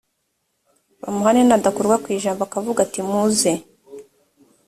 bamuhane nadakurwa ku ijambo akavuga ati muze